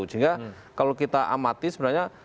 sehingga kalau kita amati sebenarnya